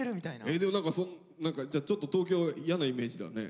えでも何かちょっと東京嫌なイメージだね。